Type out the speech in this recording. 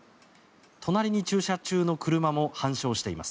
隣に駐車中の車も半焼しています。